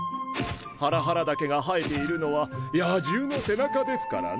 ハラハラ茸が生えているのは野獣の背中ですからねぇ。